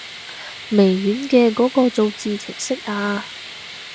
微軟嘅嗰個造字程式啊